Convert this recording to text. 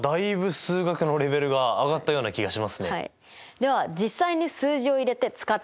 では実際に数字を入れて使ってみましょう。